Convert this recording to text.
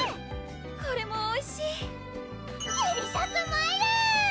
これもおいしいデリシャスマイル！